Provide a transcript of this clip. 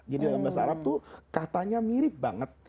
jadi dalam bahasa arab itu katanya mirip banget